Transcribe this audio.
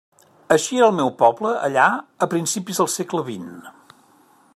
Així era el meu poble allà a principis del segle xx.